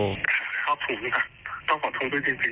ครับผมค่ะต้องขอโทษด้วยจริงนะครับ